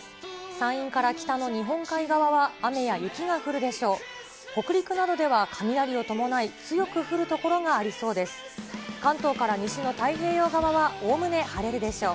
山陰から北の日本海側は雨や雪が降るでしょう。